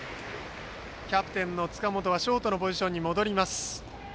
キャプテンの塚本はショートのポジションに戻ります。